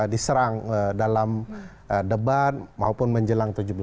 diserang dalam debat maupun menjelang tujuh belas